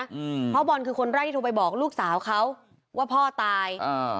อืมเพราะบอลคือคนแรกที่โทรไปบอกลูกสาวเขาว่าพ่อตายอ่า